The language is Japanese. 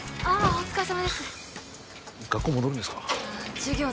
お疲れさまです